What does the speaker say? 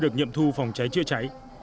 được nghiệm thu phòng cháy chữa cháy